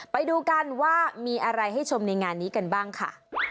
ไปดูกันว่ามีอะไรให้ชมในงานนี้กันบ้างค่ะ